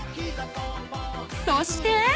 ［そして］